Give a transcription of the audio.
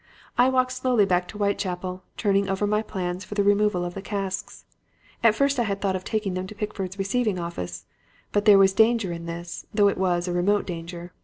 I walked slowly back to Whitechapel, turning over my plans for the removal of the casks. At first I had thought of taking them to Pickford's receiving office. But there was danger in this, though it was a remote danger.